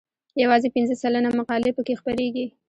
یوازې پنځه سلنه مقالې پکې خپریږي.